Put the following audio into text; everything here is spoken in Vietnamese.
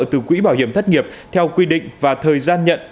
từ quỹ bảo hiểm thất nghiệp theo quy định và thời gian nhận